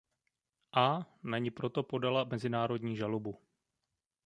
A. na ni proto podala mezinárodní žalobu.